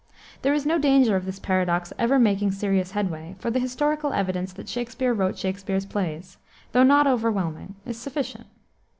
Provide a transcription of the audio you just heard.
There is no danger of this paradox ever making serious headway, for the historical evidence that Shakspere wrote Shakspere's plays, though not overwhelming, is sufficient.